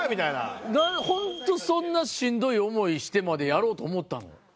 本当そんなしんどい思いしてまでやろうと思ったの？